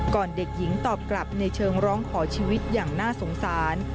เด็กหญิงตอบกลับในเชิงร้องขอชีวิตอย่างน่าสงสาร